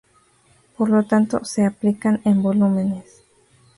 Por lo tanto, se aplican en volúmenes.